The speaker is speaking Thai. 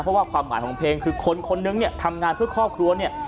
เพราะว่าความหมายของเพลงคือคนคนนึงเนี่ยทำงานเพื่อครอบครัวเนี่ย